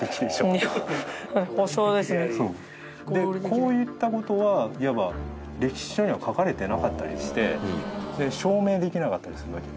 こういった事はいわば歴史書には書かれてなかったりして証明できなかったりするわけ。